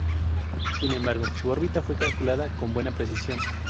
Sin embargo, su órbita fue calculada con buena precisión.